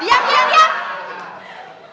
diam diam diam